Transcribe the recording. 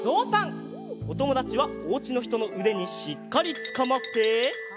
おともだちはおうちのひとのうでにしっかりつかまって！